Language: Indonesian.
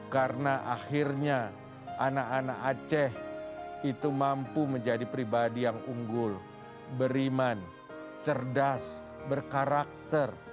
karena akhirnya anak anak aceh itu mampu menjadi pribadi yang unggul beriman cerdas berkarakter